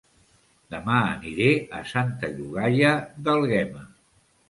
Dema aniré a Santa Llogaia d'Àlguema